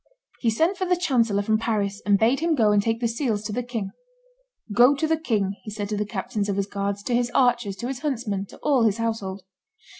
He sent for the chancellor from Paris, and bade him go and take the seals to the king. "Go to the king," he said to the captains of his guards, to his archers, to his huntsmen, to all his household.